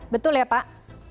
betul ya pak